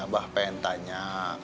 abah pengen tanya